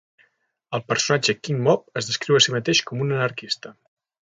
El personatge "King Mob" es descriu a si mateix com un anarquista.